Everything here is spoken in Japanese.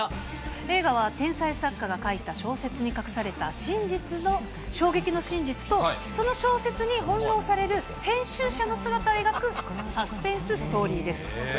映画は天才作家が書いた小説に隠された衝撃の真実と、その小説に翻弄される編集者の姿を描くサスペンスストーリーです。